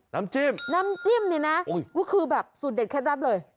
น้ำจิ้มน้ำจิ้มนี่นะก็คือแบบสูตรเด็ดเคล็ดลับเลย